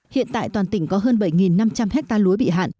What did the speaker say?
hiện tại toàn tỉnh có hơn bảy năm trăm linh hectare lúa bị hạn